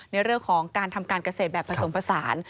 ในเรื่องของการทำการเกษตรแบบผสมผสาน